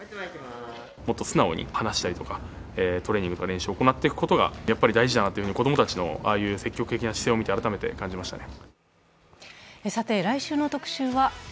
もっと素直に話したりとかトレーニングを行っていくことがやっぱり大事なと、子供たちのああいう積極的な姿勢を見て感じましたね。